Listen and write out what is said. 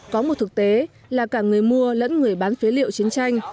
có một thực tế là cả người mua lẫn người bán phế liệu chiến tranh